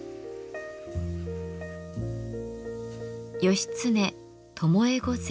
義経巴御前